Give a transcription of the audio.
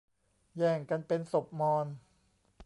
แย่งกันเป็นศพมอญ